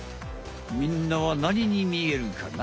みんなは何にみえるかな？